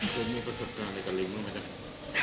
คุณมีประสบการณ์อะไรกับลิงรึไม่ได้